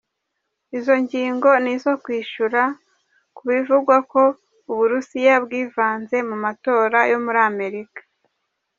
Izo ngingo ni izo kwishura kubivugwa ko Uburusiya bwivanze mu matora yo muri Amerika.